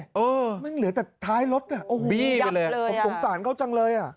เออมันเหลือแต่ท้ายรถน่ะโอ้โหยับเลยผมสงสารเขาจังเลยอ่ะ